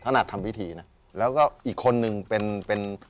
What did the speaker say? ถนัดทำพิธีนะแล้วก็อีกคนนึงเป็นเป็น